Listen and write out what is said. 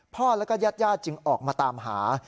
พ่อแล้วก็ญาติจึงออกมาตามหา